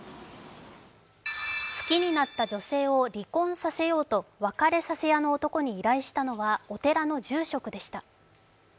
好きになった女性を離婚させようと別れさせ屋の男に依頼したのはお寺の住職でした。